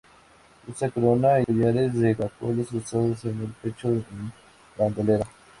Usa corona y collares de caracoles cruzados en el pecho en bandolera.